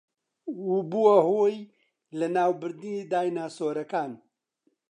و بووە هۆی لەناوبردنی دایناسۆرەکان